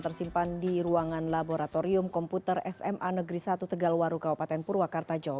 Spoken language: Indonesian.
tersimpan di ruangan laboratorium komputer sma negeri satu tegalwaru kabupaten purwakarta jawa